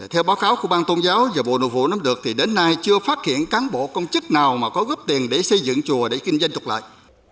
theo báo cáo của bang tôn giáo và bộ nội vụ năm được thì đến nay chưa phát hiện cán bộ công chức nào mà có góp tiền để xây dựng chùa để kinh doanh trục lợi